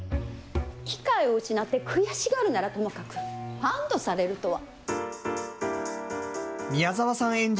機会を失って悔しがるならともかく、安どされるとは。